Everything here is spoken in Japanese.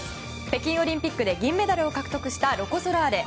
北京オリンピックで銀メダルを獲得したロコ・ソラーレ。